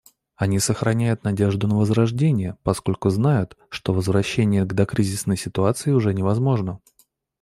Они сохраняют надежду на возрождение, поскольку знают, что возвращение к докризисной ситуации уже невозможно.